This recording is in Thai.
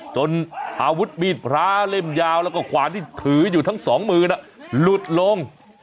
จนอาวุธมีดพระเล่มยาวแล้วก็ขวานที่ถืออยู่ทั้งสองมือน่ะหลุดลง